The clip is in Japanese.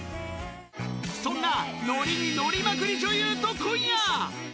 そんな乗りに乗りまくり女優と今夜。